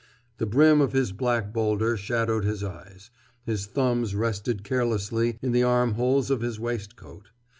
The brim of his black boulder shadowed his eyes. His thumbs rested carelessly in the arm holes of his waistcoat.